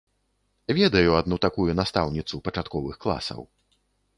Ведаю адну такую настаўніцу пачатковых класаў.